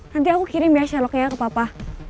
nanti aku kirim ya sherlocknya ke papa